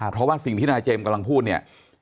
เพราะว่าสิ่งที่นายเจมส์กำลังพูดเนี่ย